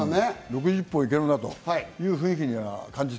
６０本いけるなという雰囲気